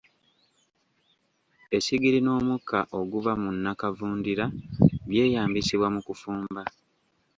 Essigiri n'omukka oguva mu nnakavundira by'eyambisibwa mu kufumba.